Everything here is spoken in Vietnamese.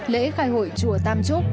lễ khai hội chùa tam trúc